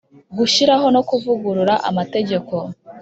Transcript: Gushyiraho no kuvugurura amategeko